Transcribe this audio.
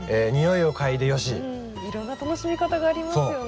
いろんな楽しみ方がありますよね。